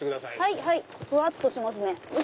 はいはいふわっとしますね。